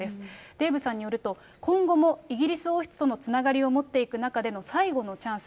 デーブさんによると、今後もイギリス王室とのつながりを持っていく中での最後のチャンス。